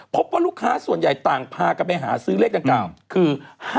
พบว่าลูกค้าส่วนใหญ่ต่างพากันไปหาซื้อเลขดังกล่าวคือ